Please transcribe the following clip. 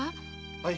・はい。